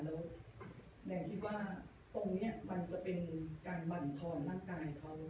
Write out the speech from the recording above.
แล้วแนนคิดว่าตรงนี้มันจะเป็นการบรรทอนร่างกายเขา